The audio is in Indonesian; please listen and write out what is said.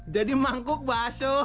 jadi mangkuk basuh